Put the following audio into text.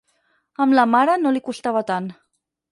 Amb la mare no li costava tant.